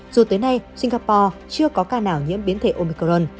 dù tới nay singapore chưa có ca nào nhiễm biến thể omicron